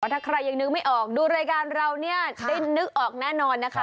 ถ้าใครยังนึกไม่ออกดูรายการเราเนี่ยได้นึกออกแน่นอนนะคะ